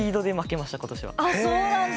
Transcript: あそうなんだ。